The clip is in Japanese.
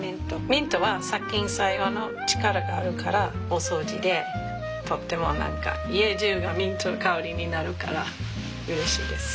ミントは殺菌作用の力があるからお掃除でとっても何か家じゅうがミントの香りになるからうれしいです。